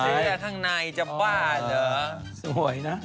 ใส่ข้างในจะบ้าเหรอ